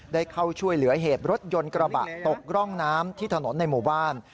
ได้เข้าช่วยเหลือเหตุรถยนต์กระบะตกร่องน้ำที่ถนนในหมู่บ้าน